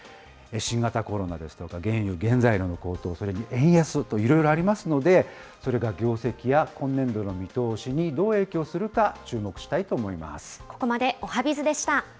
新型コロナですとか、原油、原材料の高騰、それに円安といろいろありますので、それが業績や今年度の見通しにどう影響するか注目したいと思います。